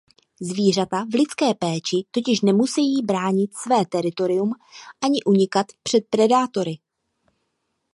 Zvířata v lidské péči totiž nemusejí bránit své teritorium ani unikat před predátory.